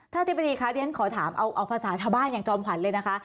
อธิบดีคะเรียนขอถามเอาภาษาชาวบ้านอย่างจอมขวัญเลยนะคะ